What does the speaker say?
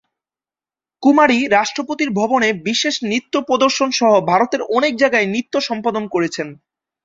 কুমারী রাষ্ট্রপতির ভবনে বিশেষ নৃত্য প্রদর্শন সহ ভারতের অনেক জায়গায় নৃত্য সম্পাদন করেছেন।